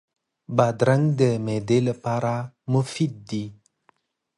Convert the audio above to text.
بادرنګ د معدې لپاره مفید دی.